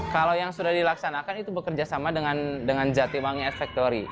kalau yang sudah dilaksanakan itu bekerja sama dengan jatibangi art factory